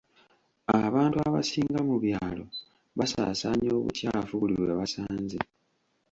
Abantu abasinga mu byalo basaasaanya obukyafu buli we basanze.